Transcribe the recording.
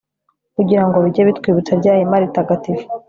ugira ngo bijye bitwibutsa rya hema ritagatifu